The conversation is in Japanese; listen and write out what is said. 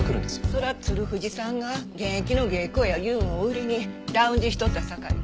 そら鶴藤さんが現役の芸妓やいうんを売りにラウンジしとったさかい